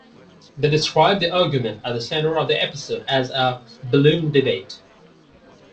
They described the argument at the center of the episode as a "balloon debate".